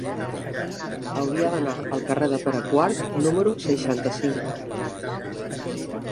Hauria d'anar al carrer de Pere IV número seixanta-cinc.